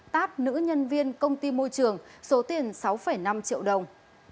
tát nữ nhân viên công ty môi trường số tiền sáu năm triệu đồng